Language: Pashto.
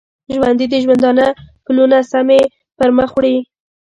ژوندي د ژوندانه پلونه سمی پرمخ وړي